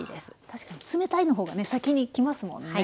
確かに冷たいの方がね先にきますもんね